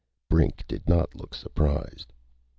Brink did not look surprised.